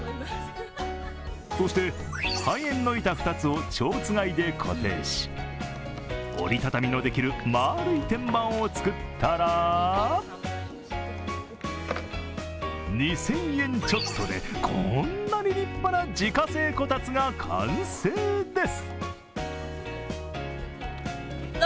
そして半円の板２つをちょうつがいで固定し折り畳みのできる丸い天板を作ったら２０００円ちょっとで、こんなに立派な自家製こたつが完成です。